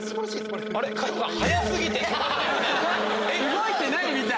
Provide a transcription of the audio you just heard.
動いてないみたい！